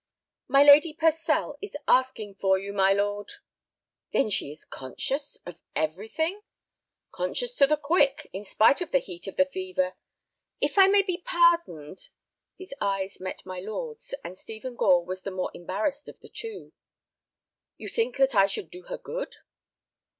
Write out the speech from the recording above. "My Lady Purcell is asking for you, my lord." "Then she is conscious—of everything?" "Conscious to the quick, in spite of the heat of the fever. If I may be pardoned—" His eyes met my lord's, and Stephen Gore was the more embarrassed of the two. "You think that I should do her good?"